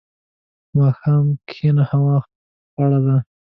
په ماښام کښېنه، هوا خړه ده.